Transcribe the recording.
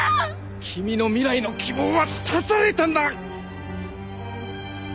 君の未来の希望は絶たれたんだ！